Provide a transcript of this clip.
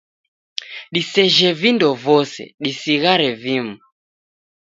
Disejhe vindo vose, disighare vimu.